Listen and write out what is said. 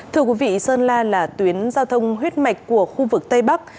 thưa quý vị sơn la là tuyến giao thông huyết mạch của khu vực tây bắc